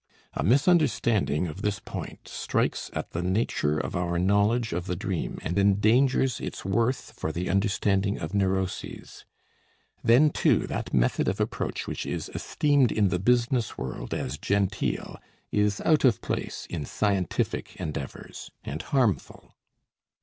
A misunderstanding of this point strikes at the nature of our knowledge of the dream, and endangers its worth for the understanding of neuroses. Then, too, that method of approach which is esteemed in the business world as genteel is out of place in scientific endeavors, and harmful.